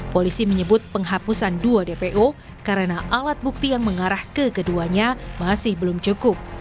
polisi menyebut penghapusan dua dpo karena alat bukti yang mengarah ke keduanya masih belum cukup